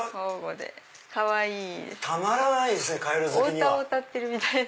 お歌を歌ってるみたいな。